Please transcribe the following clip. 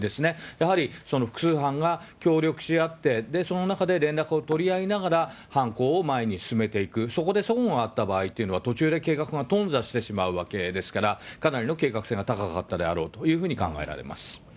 やはり複数犯が協力し合って、で、その中で連絡を取り合いながら、犯行を前に進めていく、そこでそごがあった場合というのは途中で計画が頓挫してしまうわけですから、かなりの計画性が高かったであろうというふうに考えられます。